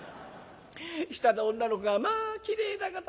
下の女の子が『まあきれいだこと』。